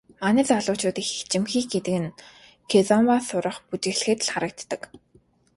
Манай залуучууд их ичимхий гэдэг нь кизомба сурах, бүжиглэхэд ч харагддаг.